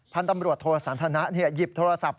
พันธุ์ตำรวจโทสันทนะหยิบโทรศัพท์